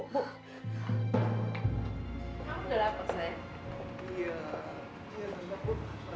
kamu udah lapar sayang